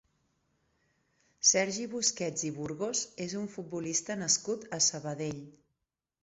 Sergi Busquets i Burgos és un futbolista nascut a Sabadell.